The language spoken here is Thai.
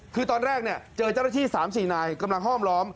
คือตอนแรกเนี่ยเจอเจ้าหน้าที่๓๔นายกำลังห้อมล้อม